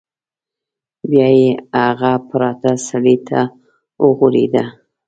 بیا یې هغه پراته سړي ته وغوریده.